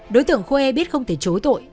đối tượng khuê biết không thể chối tội